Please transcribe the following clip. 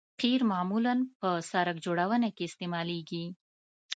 قیر معمولاً په سرک جوړونه کې استعمالیږي